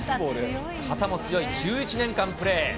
肩も強い、１１年間プレー。